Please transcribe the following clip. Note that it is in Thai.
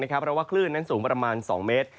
เพราะว่าคลื่นนั้นสูงประมาณ๒เมตร